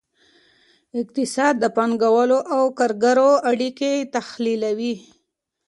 اقتصاد د پانګوالو او کارګرو اړیکې تحلیلوي.